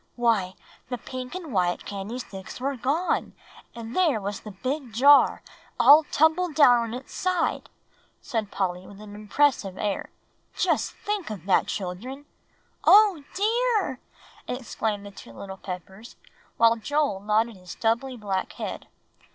"Why, the pink and white candy sticks were gone, and there was the big jar all tumbled down on its side!" said Polly, with a very impressive air; "just think of that, children!" "Oh, dear!" exclaimed the two little Peppers, while Joel nodded his stubbly black head.